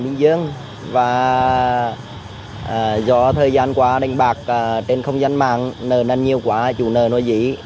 có thời gian quá đánh bạc trên không gian mạng nợ năn nhiều quá chủ nợ nó dí